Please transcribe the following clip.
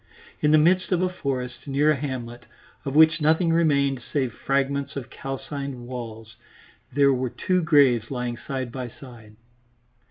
In the midst of a forest, near a hamlet, of which nothing remained save fragments of calcined walls, there were two graves lying side by side.